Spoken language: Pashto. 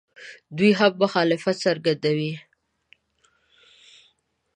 دوی هم مخالفت څرګندوي.